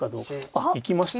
あっ行きました。